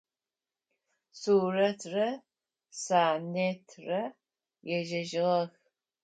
Сурэтрэ Санетрэ ежьэжьыгъэх.